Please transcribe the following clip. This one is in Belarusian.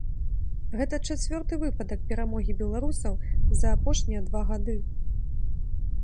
Гэта чацвёрты выпадак перамогі беларусаў за апошнія два гады.